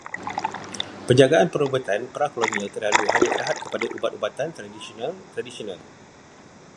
Penjagaan perubatan pra-kolonial terdahulu hanya terhad kepada ubat-ubatan tradisional tradisional.